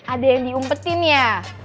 ada yang diumpetin ya